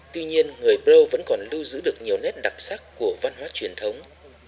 tuy nhiên người bô vẫn còn lưu giữ được nhiều nét đặc sắc của văn hóa truyền thống